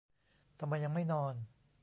ทำไมยังไม่นอน